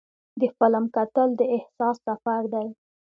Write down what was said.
د فلم کتل د احساس سفر دی.